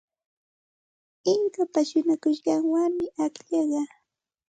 Inkapa shuñakushqan warmim akllaqa.